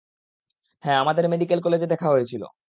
হ্যাঁ, আমাদের মেডিকেল কলেজে দেখা হয়েছিলো।